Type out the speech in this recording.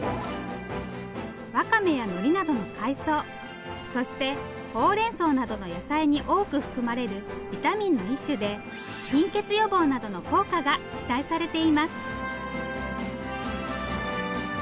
わかめやのりなどの海藻そしてほうれんそうなどの野菜に多く含まれるビタミンの一種で貧血予防などの効果が期待されています。